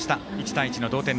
１対１の同点。